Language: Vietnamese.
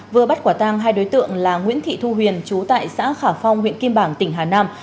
vừa bắt quả tang hai đối tượng là nguyễn thị thu huyền chú tại xã khả phong huyện kim bảng tỉnh hà nam